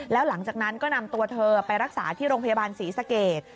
แล้วหลังจากนั้นก็นำตัวเธอไปรักษาที่โรงพยาบาลศรีสเกต